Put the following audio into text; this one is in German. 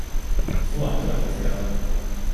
So ein Teufelskerl!